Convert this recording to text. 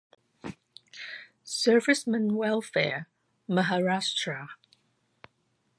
Servicemen Welfare (Maharashtra)